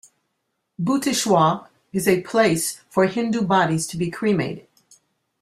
Bhooteshwar is a place for Hindu bodies to be cremated.